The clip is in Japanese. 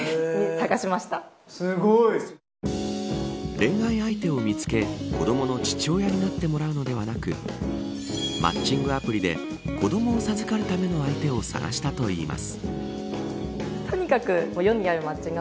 恋愛相手を見つけ、子どもの父親になってもらうのではなくマッチングアプリで子どもを授かるための相手を探したといいます。